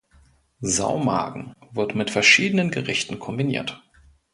Saumagen wird mit verschiedenen Gerichten kombiniert.